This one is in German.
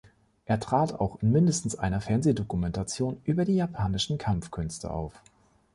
Er trat auch in mindestens einer Fernsehdokumentation über die japanischen Kampfkünste auf.